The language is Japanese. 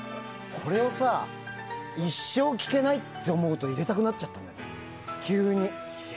これをさ一生聴けないって思うと入れたくなっちゃった、急に。